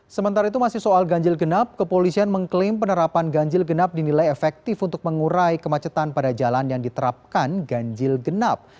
sementara itu masih soal ganjil genap kepolisian mengklaim penerapan ganjil genap dinilai efektif untuk mengurai kemacetan pada jalan yang diterapkan ganjil genap